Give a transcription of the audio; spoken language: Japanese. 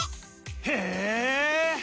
へえ！